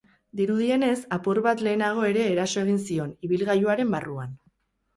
Dirudienez, apur bat lehenago ere eraso egin zion, ibilgailuaren barruan.